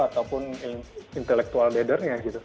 ataupun intelektual dadernya